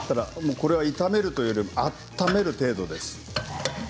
これは、炒めるというより温める程度です。